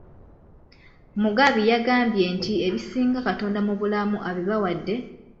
Mugabi yagambye nti ebisinga Katonda mu bulamu abibawadde